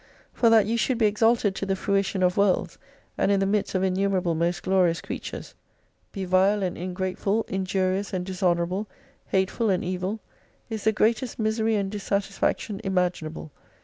For that you should be exalted to the fruition of worlds, and in the midst of innumer able most glorious creatures, be vile and ingrateful, injurious and dishonourable, hateful and evil, is the greatest misery and dissatisfaction imaginable.